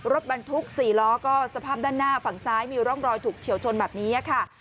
รถบรรทุก๔ล้อก็สภาพด้านหน้าฝั่งซ้ายมีร่องรอยถูกเฉียวชนแบบนี้ค่ะ